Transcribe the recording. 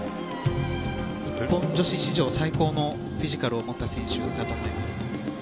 日本女子史上最高のフィジカルを持った選手だと思います。